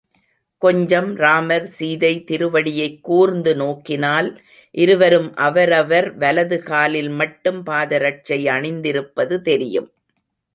கொஞ்சம் ராமர் சீதை திருவடியைக் கூர்ந்து நோக்கினால், இருவரும் அவரவர் வலது காலில் மட்டும் பாதரட்சை அணிந்திருப்பது தெரியும்.